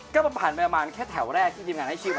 ก็ผ่านไปประมาณแค่แถวแรกที่ทีมงานให้ชื่อมา